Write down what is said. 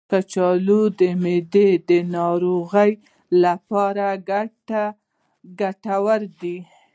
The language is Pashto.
کچالو د معدې د ناروغیو لپاره ګټور دی.